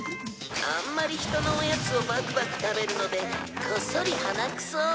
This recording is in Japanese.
あんまり人のおやつをバクバク食べるのでこっそり鼻くそを。